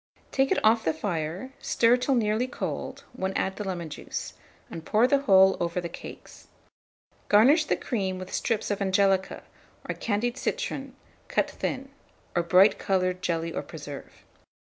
Take it off the fire, stir till nearly cold, when add the lemon juice, and pour the whole over the cakes. Garnish the cream with strips of angelica, or candied citron cut thin, or bright coloured jelly or preserve.